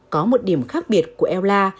có một điểm khác biệt của ella